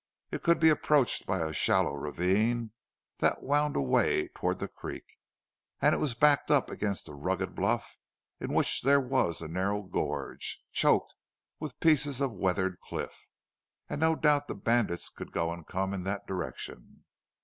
It could be approached by a shallow ravine that wound away toward the creek. It was backed up against a rugged bluff in which there was a narrow gorge, choked with pieces of weathered cliff; and no doubt the bandits could go and come in that direction.